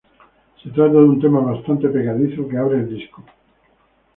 Se trata de un tema bastante pegadizo que abre el disco.